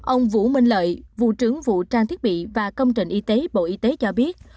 ông vũ minh lợi vụ trưởng vụ trang thiết bị và công trình y tế bộ y tế cho biết